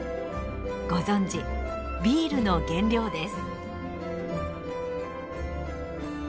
ご存じビールの原料です。